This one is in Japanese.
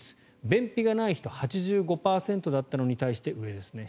便秘がない人８５％だったのに対して上ですね